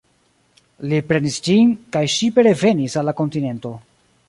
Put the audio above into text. Li prenis ĝin, kaj ŝipe revenis al la kontinento.